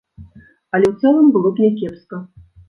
Але ў цэлым было б някепска.